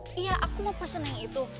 iya aku mau pesen yang itu